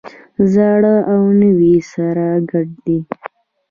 زاړه او نوي سره ګډ دي.